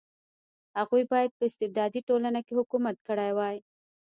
هغوی باید په استبدادي ټولنه کې حکومت کړی وای.